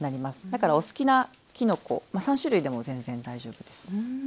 だからお好きなきのこ３種類でも全然大丈夫です。